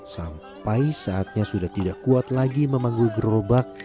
sampai saatnya sudah tidak kuat lagi memanggul gerobak